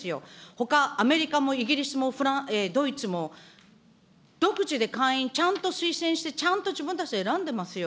ほか、アメリカもイギリスもドイツも独自で会員、ちゃんと推薦して、ちゃんと自分たちで選んでますよ。